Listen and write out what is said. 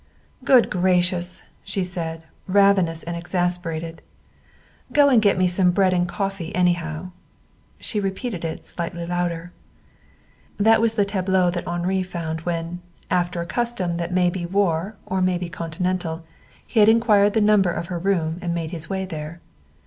"Good gracious!" she said, ravenous and exasperated. "Go and get me some bread and coffee, anyhow." She repeated it, slightly louder. That was the tableau that Henri found when, after a custom that may be war or may be Continental, he had inquired the number of her room and made his way there.